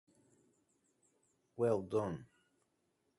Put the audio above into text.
This was a channel to cater primarily to the young listener on the move.